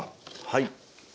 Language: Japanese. はい。